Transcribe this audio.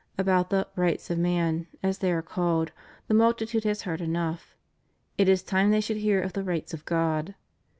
About the "rights of man," as they are called, the multitude has heard enough; it is time they should hear of the rights of God.